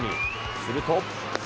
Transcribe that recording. すると。